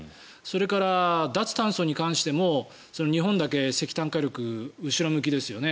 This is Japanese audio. それから、脱炭素に関しても日本だけ石炭火力後ろ向きですよね。